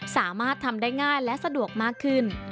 สามารถทำได้ง่ายและสะดวกมากขึ้น